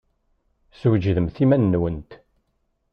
Swejdemt iman-nwent!